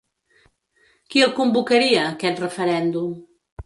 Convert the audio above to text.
Qui el convocaria, aquest referèndum?